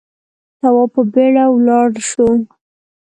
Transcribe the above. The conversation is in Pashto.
تواب په بيړه ولاړ شو.